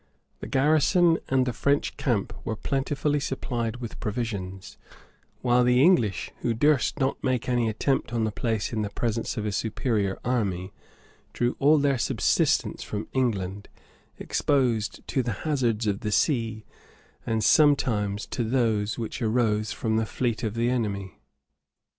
The garrison and the French camp were plentifully supplied with provisions; while the English, who durst not make any attempt upon the place in the presence of a superior army, drew all their subsistence from England, exposed to the hazards of the sea, and sometimes to those which arose from the fleet of the enemy.